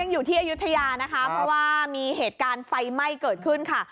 อยู่ที่อายุทยานะคะเพราะว่ามีเหตุการณ์ไฟไหม้เกิดขึ้นค่ะ